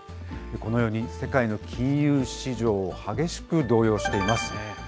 このように、世界の金融市場、激しく動揺しています。